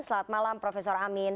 selamat malam prof amin